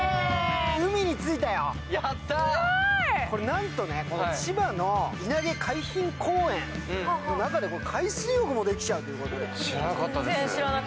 なんとね、千葉の稲毛海浜公園の中で海水浴もできちゃうということで。